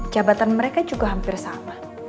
jabatan mereka juga hampir sama